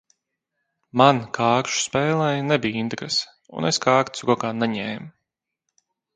Man kāršu spēlei nebija interese un es kārtis rokā neņēmu.